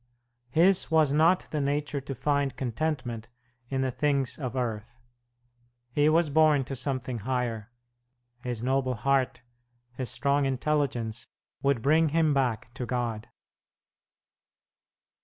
His was not the nature to find contentment in the things of earth. He was born to something higher. His noble heart, his strong intelligence, would bring him back to God.